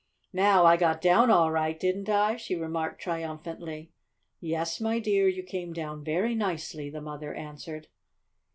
"Now, I got down all right, didn't I?" she remarked triumphantly. "Yes, my dear, you came down very nicely," the mother answered.